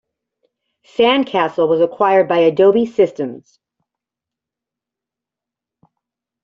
Sandcastle was acquired by Adobe Systems.